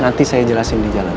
nanti saya jelasin di jalan